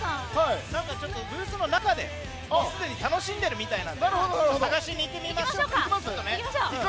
ブースの中ですでに楽しんでるみたいなので探しに行ってみましょうか。